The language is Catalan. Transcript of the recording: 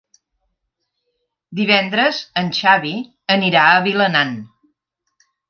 Divendres en Xavi anirà a Vilanant.